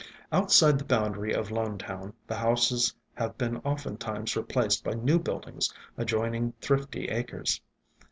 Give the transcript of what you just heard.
Outside the boundary of Lonetown, the houses have been oftentimes replaced by new buildings ad joining thrifty acres.